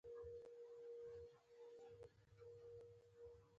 په دغه ډول داش کې د غنمو، جوارو او اوربشو ډوډۍ پخیږي.